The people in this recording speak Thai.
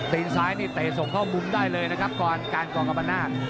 ซ้ายนี่เตะส่งเข้ามุมได้เลยนะครับกรการกองกรรมนาศ